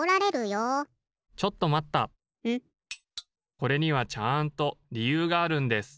・これにはちゃんとりゆうがあるんです。